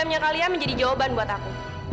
kenapa kamila tidak ada yang menjawab pertanyaan aku